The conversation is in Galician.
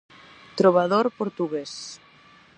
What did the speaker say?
Trobador portugúes.